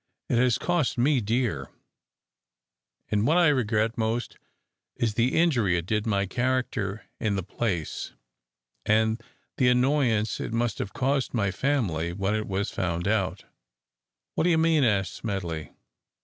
"It has cost me dear; and what I regret most is the injury it did my character in the place, and the annoyance it must have caused my family when it was found out." "What do you mean?" asked Smedley.